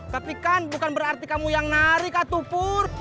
tapi kan bukan berarti kamu yang nari kak tupur